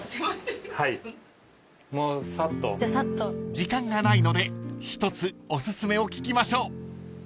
［時間がないので一つおすすめを聞きましょう］